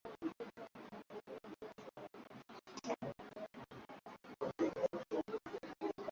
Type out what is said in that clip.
Ali anampenda khadija